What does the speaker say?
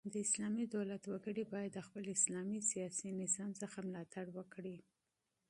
د اسلامي دولت وګړي بايد د خپل اسلامي سیاسي نظام څخه ملاتړ وکړي.